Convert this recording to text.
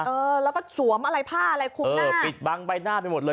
เออแล้วก็สวมอะไรผ้าอะไรคุมหน้าปิดบังใบหน้าไปหมดเลย